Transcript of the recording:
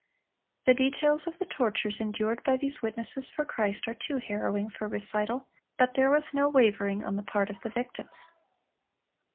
(341) The details of the tortures endured by these witnesses for Christ are too harrowing for recital; but there was no wavering on the part of the victims.